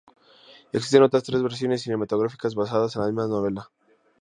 Existen otras tres versiones cinematográficas basadas en la misma novela.